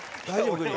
大丈夫？